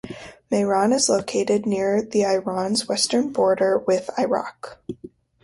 Mehran is located near the Iran's western border with Iraq.